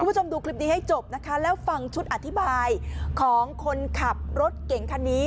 คุณผู้ชมดูคลิปนี้ให้จบนะคะแล้วฟังชุดอธิบายของคนขับรถเก่งคันนี้